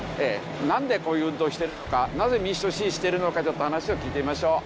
なんでこういう運動をしてるのかなぜ民主党を支持してるのかちょっと話を聞いてみましょう。